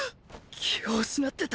気を失ってた！？